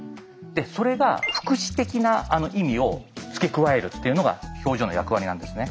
それが副詞的な意味を付け加えるっていうのが表情の役割なんですね。